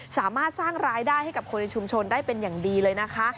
สามารถสร้างรายได้ให้กับคนในชุมชนได้เป็นอย่างดีเลยนะคะ